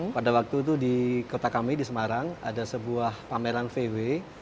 pada waktu itu di kota kami di semarang ada sebuah pameran vw